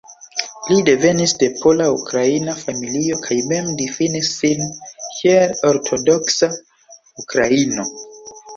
Li devenis de pola-ukraina familio kaj mem difinis sin kiel "ortodoksa ukraino".